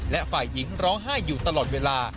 และฝ่ายหญิงร้องไห้อยู่ตลอดเวลา